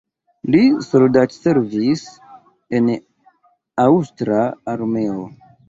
Li soldatservis en aŭstra armeo.